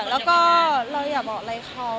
แล้วก็เราอย่าบอกอะไรเขา